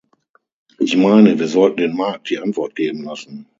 Ich meine, wir sollten den Markt die Antwort geben lassen.